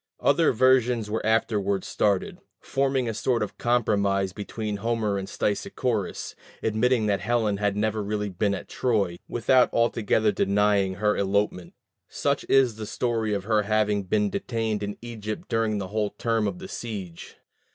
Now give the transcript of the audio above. Other versions were afterward started, forming a sort of compromise between Homer and Stesichorus, admitting that Helen had never really been at Troy, without altogether denying her elopement. Such is the story of her having been detained in Egypt during the whole term of the siege.